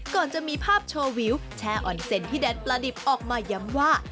ก่อนจะมีภาพโชว์วิวแชร์ออนเซ็นต์ที่แดนปลาดิบออกมาย้ำว่า